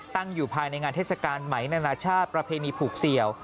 ตั้งอยู่ภายในงานเทศกาลไหมนานาชาติประเพณีผูกเสี่ยว